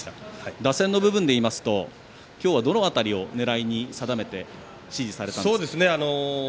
打線の部分でいいますと今日はどの辺りを狙いに定めて指示されたんですか。